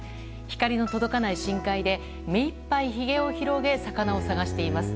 光の届かない深海でめいっぱいひげを広げ魚を探しています。